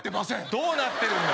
どうなってるんだ？